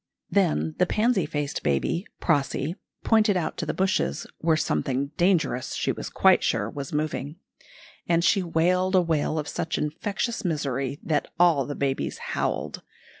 Then the pansy faced baby, Prâsie, pointed out to the bushes, where something dangerous, she was quite sure, was moving; and she wailed a wail of such infectious misery that all the babies howled.